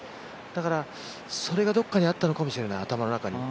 だから、それがどこかにあったのかもしれない、頭の中に。